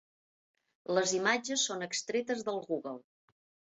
Les imatges són extretes del Google.